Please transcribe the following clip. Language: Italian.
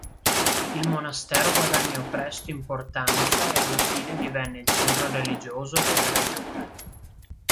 Il monastero guadagnò presto importanza e alla fine divenne il centro religioso della regione.